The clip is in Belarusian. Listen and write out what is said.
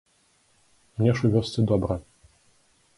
Мне ж у вёсцы добра.